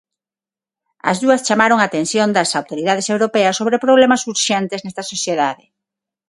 As dúas chamaron a atención das autoridades europeas sobre problemas urxentes nesta sociedade.